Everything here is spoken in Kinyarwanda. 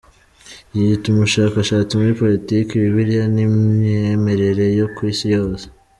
Yiyita umushakashatsi muri Politiki, Bibiliya n’imyemerere yo ku Isi yose.